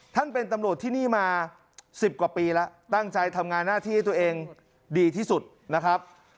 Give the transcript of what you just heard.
ท่านเป็นตำรวจที่นี่มา๑๐กว่าปีแล้วตั้งใจทำงานหน้าที่ให้ตัวเองดีที่สุดนะครับ